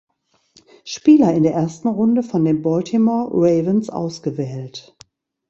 Spieler in der ersten Runde von den Baltimore Ravens ausgewählt.